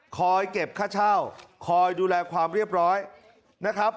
เก็บค่าเช่าคอยดูแลความเรียบร้อยนะครับ